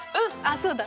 そうだ！